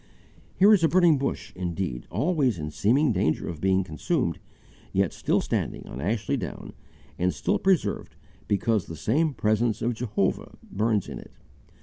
Here is a burning bush indeed, always in seeming danger of being consumed, yet still standing on Ashley Down, and still preserved because the same presence of Jehovah burns in it.